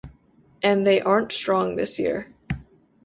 And they aren't strong this year.